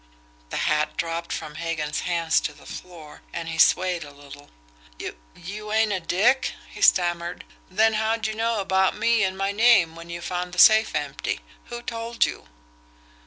The hat dropped from Hagan's hands to the floor, and he swayed a little. "You you ain't a dick!" he stammered. "Then how'd you know about me and my name when you found the safe empty? Who told you?"